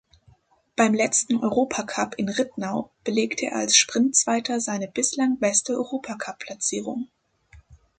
Beim letzten Europacup in Ridnaun belegte er als Sprint-Zweiter seine bislang beste Europacup-Platzierung.